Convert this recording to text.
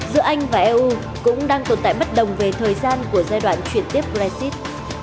giữa anh và eu cũng đang tồn tại bất đồng về thời gian của giai đoạn chuyển tiếp brexit